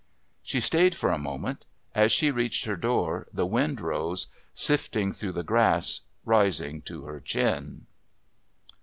She stayed for a moment. As she reached her door the wind rose, sifting through the grass, rising to her chin.